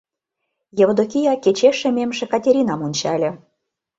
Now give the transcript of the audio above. — Евдокия кечеш шемемше Катеринам ончале.